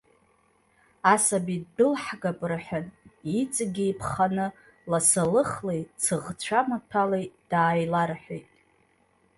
Асаби ддәылҳгап рҳәан, иҵегьгьы иԥханы ласалыхлеи цыӷцәа маҭәалеи дааиларҳәеит.